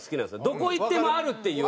どこ行ってもあるっていう。